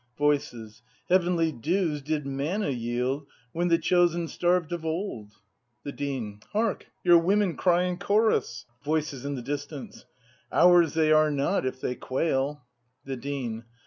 Voices. Heavenly dews did manna yield When the chosen starved of old ! The Dean. Hark! your women cry in chorus! Voices. [In the distance.] Ours they are not if they quail! The Dean.